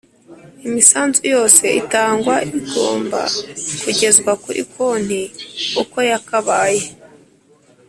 Imisanzu yose itangwa igomba kugezwa kuri konti uko yakabaye